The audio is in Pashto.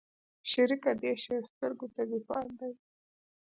شريکه دې شين سترگو ته دې پام دى.